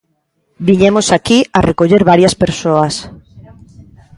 Viñemos aquí a recoller varias persoas.